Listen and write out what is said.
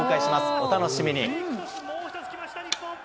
お楽しみに。